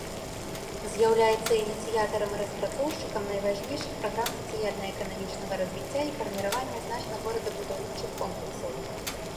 З'яўляўся ініцыятарам і распрацоўшчыкам найважнейшых праграм сацыяльна-эканамічнага развіцця і фарміравання значных горадабудаўнічых комплексаў.